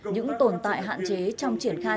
những tồn tại hạn chế trong triển khai